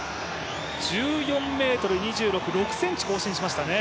１４ｍ２６、６ｃｍ更新しましたね。